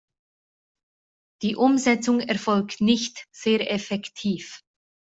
Die Umsetzung erfolgt nicht sehr effektiv.